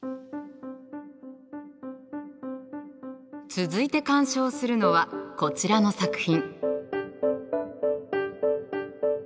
続いて鑑賞するのはこちらの作品。